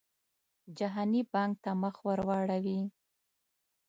جهاني بانک ته مخ ورواړوي.